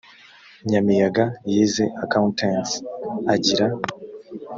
nyamiyaga yize accountancy agira